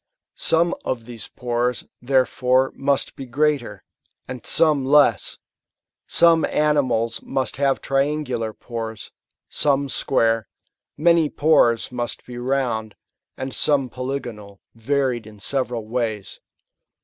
Some of these pores, therefore, must be greater, and some less ; some animals must have triangular pores, some square ; m2LViy pores must be round, and some polygonal, varied in several ways.